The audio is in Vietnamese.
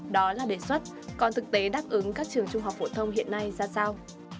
đó là đề xuất còn thực tế đáp ứng các trường trung học phổ thông hiện nay ra sao